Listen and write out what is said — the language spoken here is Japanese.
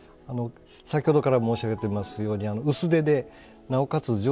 先ほどから申し上げてますように薄手でなおかつ丈夫にするにはですね